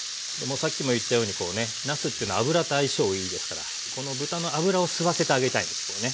さっきも言ったようにこうねなすというのは油と相性いいですからこの豚の脂を吸わせてあげたいんですよね。